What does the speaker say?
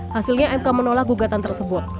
hasilnya mk menolak gugatan tersebut